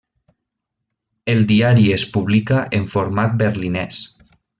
El diari es publica en format berlinès.